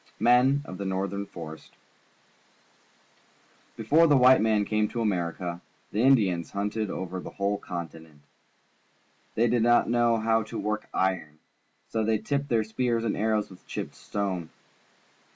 The Men of the Northern Forest. — Before the white man came to America, the Indians hunted over the whole continent. They did not know how to work iron, and so they tipped their spears and arrows with chipped stone.